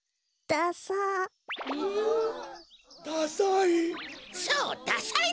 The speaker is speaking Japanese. ダサい。